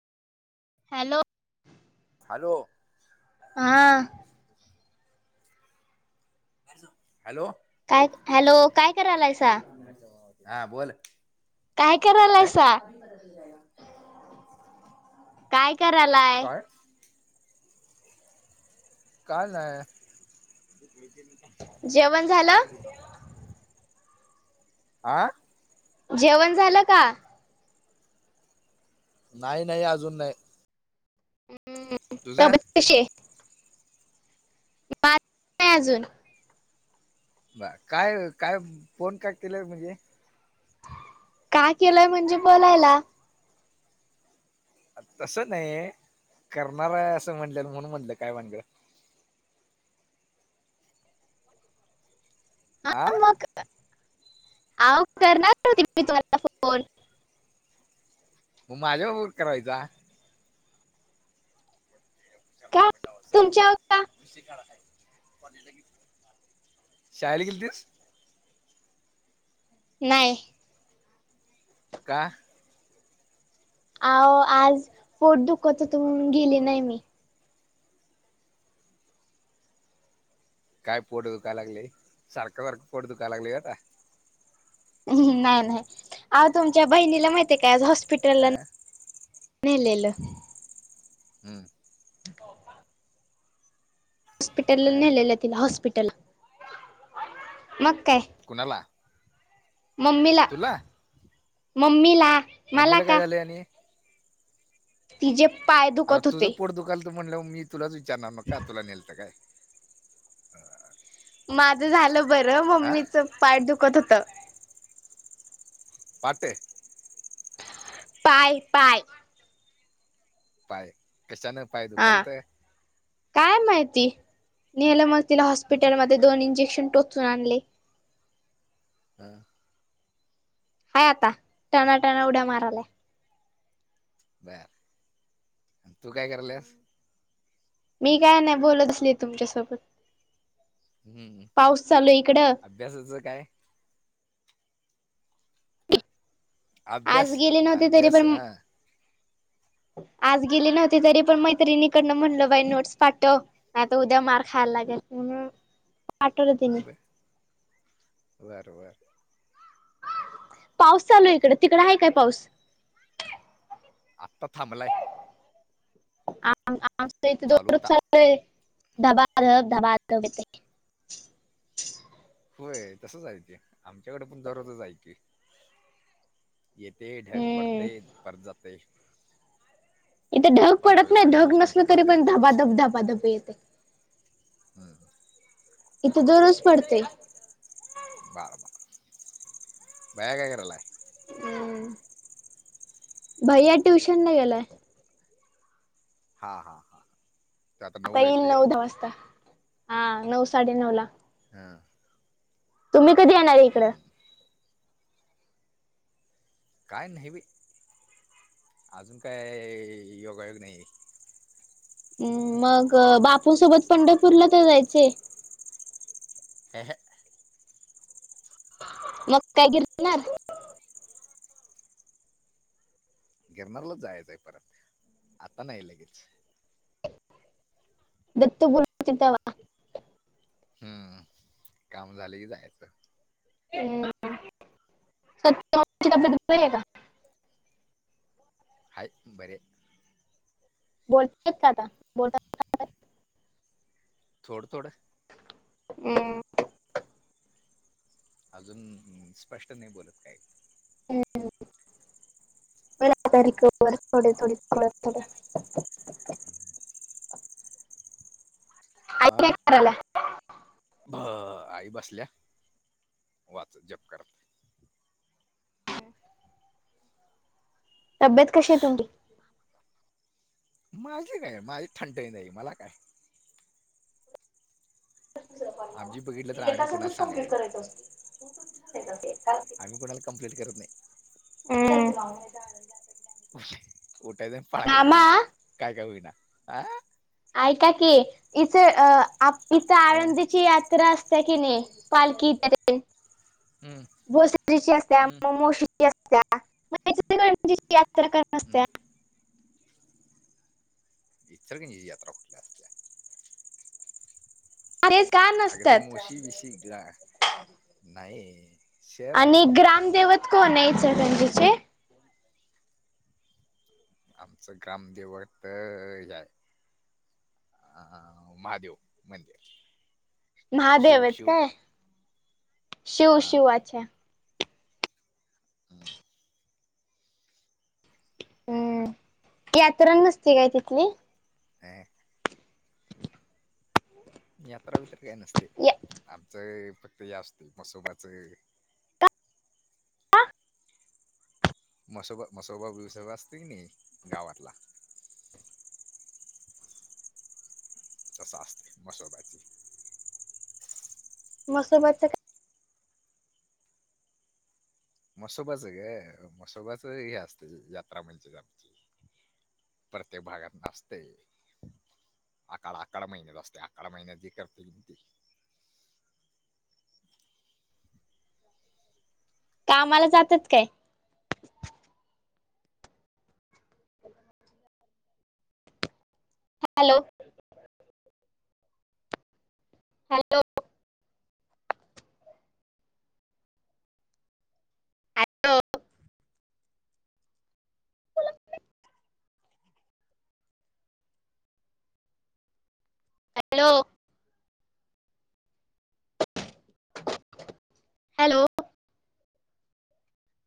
Hello. Hello. हा. Hello. काय hello काय करायलायसा? हा बोल. काय काय? [inaudible] करायलायसा काय करायलाय? काय काय नाय जेवण झालं आं जेवण झालं का नाही नाही अजून नाही तुझं तबेत कशी आहे अजून बा काय काय फोन काय केलंय म्हणजे का केलंय म्हणजे. बोलायला तसं नाही करणार, आहे असं म्हणलं म्हणून म्हणलं काय म्हणलं. आ हा करणार होती मी तुमला फोन म माझ्या वर करायचा. का तुमच्या का शाळेला गेलतीस, नाहीय का अ आज पोट दुखत होतं गेली नाही मी काय पोड दुकाय लागली. सारखं सारखं पोड दुका लागली. काता ह् नाही नाही आ तुमच्या बहिणीला माहिती आहे. काय आज हॉस्पिटलला अ मेलेल हम् ब [unintelligible] हॉस्पिटल, नेलेलं तिला हॉस्पिटल, मग काय कूणाला मम्मीला, मम्मीला मला मम्मीला काय झालंय. आणि ति ज आता तुझं पोट दुखाल त म्हणलं. मी तुलाच विचारणार मग का तुला नेल तर काय माझ झालं बरं हा मम्मीच पाठ दुखत, होत. पाटे पाय. पाय पाय. कशाला न पाय हा दुकते काय माहिती, नेलं मग तिला हॉस्पिटलमध्येध्ये दोन इंजेक्शन टोचून आणले. हा [unintelligible] ह आता टनाट्याना उड्या मारायलाय बर तू काय करलस मी काय नाही बोलत. असली तुमच्यासोबत हम्म पाऊस चालू इकडं अभ्यासाचं काय आज अभ्यास गेले नव्हते. तरी अभ्यास पण हा आज गेली नव्हती, तरी पण मैत्रीणीिकडनं, म्हटलं बाई नोट्स पाठव. आता उद्या मार खायला लागेल. म्हणून पाठवलं तिने बरं बरं पाऊस चालू आहे इकड, तिकड आहे काय पाऊस आत्ता थांबलाय आ आम इथे चालू दो होता चाल [unintelligible] धबा. धब धबा देत होय, तसंचयच आमच्याकडे पण जरर जायची. येत ढक पडते हम्म पड जात. इथं ढग पडत नाही. ढग नसल तरी पडते पण धाबा धब धबा धाब येते. हम् [unintelligible] इथे दररोज पडते. बरं ब बयगगराला आहे. हम् [unintelligible] भैया ट्युशन ला गेलाय. हां हां हां. आता येईल नऊ दहा वाजता हा नऊ साडे नऊ ला. हा. तुम्ही कधी येणार इकं. हम्म. काय न बी अजून काय योगायोग नाही आहे. हम् मग बापूसोबत पंढरपूरला तर जायचे. ह ह. मग काय गिरणार. गिरणारला जायचंय परत आता नाही लगेच. दत बोल. अ्म काम झाले की जायचं. हम् सतल्या दु आहे का [unintelligible] [inaudible] हाय बरे. बोलतेय का आता. बोलता. थोडं थोडं. हम्म. अजून स्पष्ट नाही बोलत काय. हम् विलादाारीिकतोड तोडी ततोड. आई वा. काय करायला ब आई बसल्या वाचत जप कत. तब्येत कशी आहे तुमची. माझी काय माझी थंड नाही मला काय. ला आमची बघितलं तर ते एका आम्ही कुणाला सच कम्प्लीट सांगायचं करायच असतो त म्हय अस ए. आम्ही कोणाला कंप्लीट करत नाही. हम्. उठे उठायचं पाळायचं मामा काय का होईना ह. ऐका की इथ इथं अ, आळंदीची यात्रा असते. कि नाही पालखी हम्म बसची असते हम्म मोशी. त गणची यात्रा हम्म करणसत्या. इचलकरंजी जी याता. का. [unintelligible] अग ते मशी बसी ग नाही. शहर आणि आहे ग्रामदवत कोण आहे सर प तचे. आमचं ग्रामदेवळ तर आहे आहे. अ महादेव मंदिर. महादेव शिव आहेत शिव काय शिव हा शिवच्या. हम. हम्म यात्रा नसती काय तिथली. ह. यात्रा भित्र काही नसते या- आमचं फक्त या असते मसोबाचं. मसोबा मसोबा विसोबा असतील नाही गावातला. तस असते मसोबाची. मसोबातच का. मसोबाच काय मसोबाच हे असत यात्रा मिलते आमची. प्रत्येक भागात नसते. अकाड आकड महिन्यात असते अकड महिन्यात जी करते तती. कामाला जातात काय. हॅलो. हॅलो. आठो हॅलो हॅलो